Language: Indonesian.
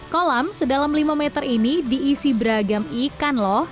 kolam sedalam lima meter ini diisi beragam ikan loh